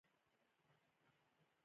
آیا ایران د پلونو هیواد هم نه دی؟